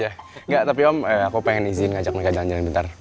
ya enggak tapi om aku pengen izin ngajak mereka jalan jalan bentar